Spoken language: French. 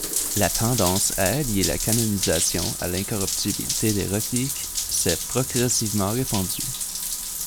La tendance à allier la canonisation à l'incorruptibilité des reliques s'est progressivement répandue.